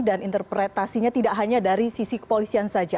dan interpretasinya tidak hanya dari sisi kepolisian saja